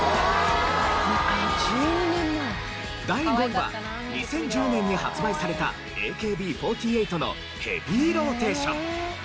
第５位は２０１０年に発売されたＡＫＢ４８の『ヘビーローテーション』。